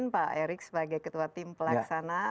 pak erick sebagai ketua tim pelaksana